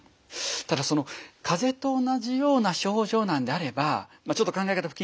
ただその風邪と同じような症状なんであればちょっと考え方